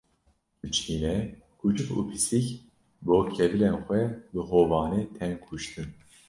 Li Çînê kûçik û pisîk, bo kevilên xwe bi hovane tên kuştin